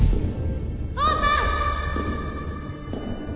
父さん！